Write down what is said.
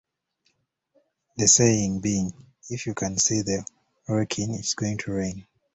The saying being, If you can see the Wrekin, it's going to rain.